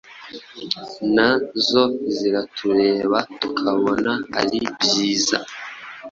na zo ziratureba tukabona ari byiza.